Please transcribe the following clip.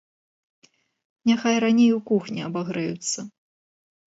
Няхай раней у кухні абагрэюцца.